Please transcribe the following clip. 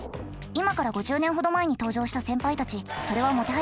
今から５０年ほど前に登場した先輩たちそれはもてはやされたそうです。